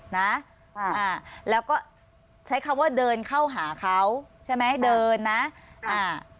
นะอ่าอ่าแล้วก็ใช้คำว่าเดินเข้าหาเขาใช่ไหมเดินนะอ่า